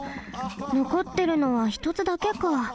のこってるのはひとつだけか。